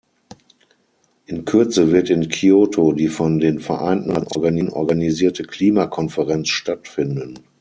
In Kürze wird in Kyoto die von den Vereinten Nationen organisierte Klimakonferenz stattfinden.